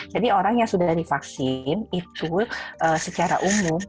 jadi orang yang sudah divaksin itu secara umum